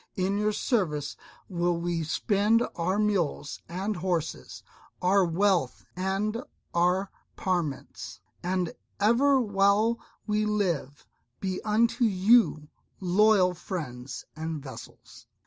In your service will we spend our mules and horses, our wealth and our parments, and ever while we live be unto you loyal friends and vassals."